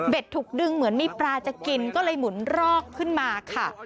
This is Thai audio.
ถูกดึงเหมือนมีปลาจะกินก็เลยหมุนรอกขึ้นมาค่ะ